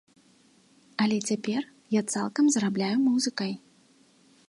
Але цяпер я цалкам зарабляю музыкай.